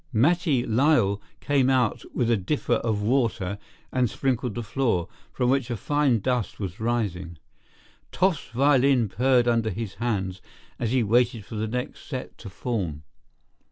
Mattie Lyall came out with a dipper of water and sprinkled the floor, from which a fine dust was rising. Toff's violin purred under his hands as he waited for the next set to form.